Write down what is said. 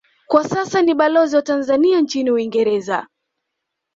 Kwa sasa ni balozi wa Tanzania nchini Uingereza